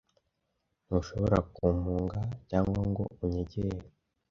ntushobora kumpunga cyangwa ngo unyemere